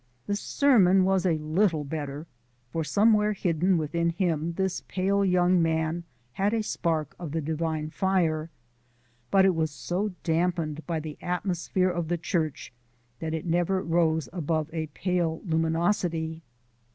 The sermon was a little better, for somewhere hidden within him this pale young man had a spark of the divine fire, but it was so dampened by the atmosphere of the church that it never rose above a pale luminosity.